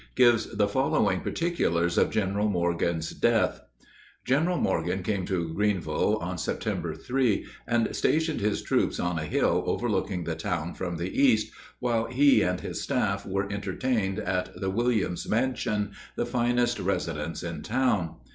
gives the following particulars of General Morgan's death: General Morgan came to Greeneville on September 3, and stationed his troops on a hill overlooking the town from the east, while he and his staff were entertained at the "Williams Mansion," the finest residence in town.